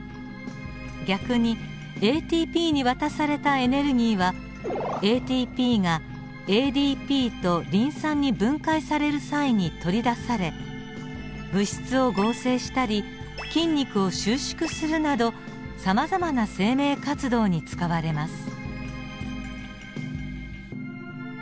逆にＡＴＰに渡されたエネルギーはＡＴＰがＡＤＰとリン酸に分解される際に取り出され物質を合成したり筋肉を収縮するなどさまざまな生命活動に使われます。